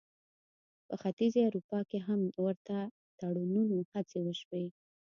په ختیځې اروپا کې هم د ورته تړونونو هڅې وشوې.